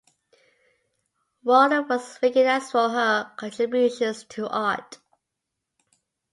Walden was recognised for her contributions to art.